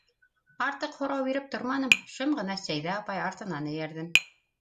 Артыҡ һорау биреп торманым, шым ғына Сәйҙә апай артынан эйәрҙем.